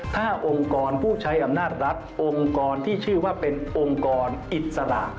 ถ้าองค์กรผู้ใช้อำนาจรัฐองค์กรที่ชื่อว่าเป็นองค์กรอิสระ